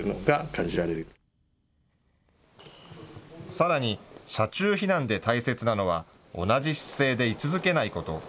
さらに車中避難で大切なのは同じ姿勢で居続けないこと。